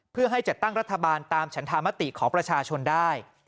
เพื่อให้จัดตั้งรัฐบาลตามฉันธรรมติของประชาชนได้